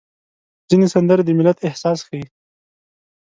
ځینې سندرې د ملت احساس ښيي.